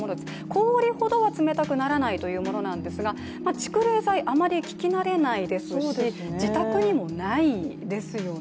氷ほどは冷たくならないということなんですが蓄冷材あまり聞き慣れないですし自宅にもないですよね。